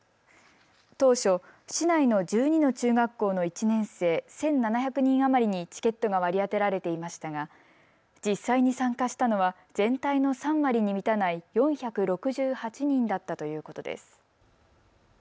当初、市内の１２の中学校の１年生１７００人余りにチケットが割り当てられていましたが実際に参加したのは全体の３割に満たない４６８人だったということです。